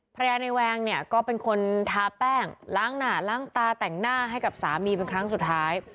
ภรรยาในแวงเนี่ยก็เป็นคนทาแป้งล้างหน้าล้างตาแต่งหน้าให้กับสามีเป็นครั้งสุดท้าย